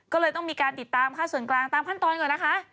ก็เลยต้องมีการติดตามค่าส่วนกลางตามขั้นตอนก่อนนะคะ